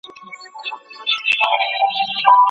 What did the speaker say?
میکده څه، نن یې پیر را سره خاندي